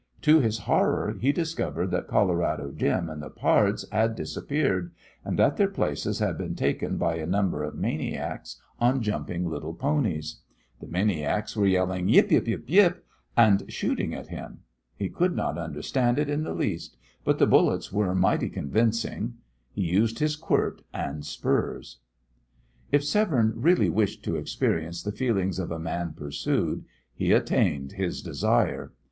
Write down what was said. To his horror he discovered that Colorado Jim and the pards had disappeared, and that their places had been taken by a number of maniacs on jumping little ponies. The maniacs were yelling "Yip! Yip! Yip!" and shooting at him. He could not understand it in the least; but the bullets were mighty convincing. He used his quirt and spurs. If Severne really wished to experience the feelings of a man pursued, he attained his desire.